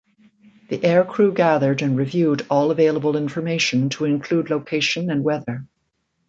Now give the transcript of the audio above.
The aircrew gathered and reviewed all available information to include location and weather.